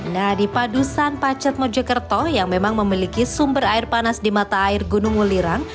nah di padusan pacet mojokerto yang memang memiliki sumber air panas di mata air gunung ngulirang